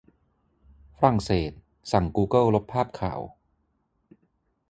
ฝรั่งเศสสั่งกูเกิลลบภาพข่าว